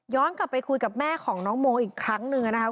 กลับไปคุยกับแม่ของน้องโมอีกครั้งหนึ่งนะครับ